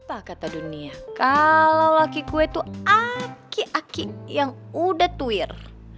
tak kata dunia kalau laki laki gue tuh aki aki yang udah tuir